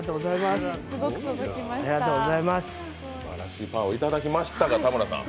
すばらしいパワーをいただきましたが、田村さん。